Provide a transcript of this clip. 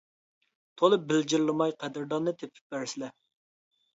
— تولا بىلجىرلىماي قەدىرداننى تېپىپ بەرسىلە.